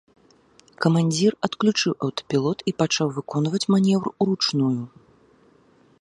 Камандзір адключыў аўтапілот і пачаў выконваць манеўр уручную.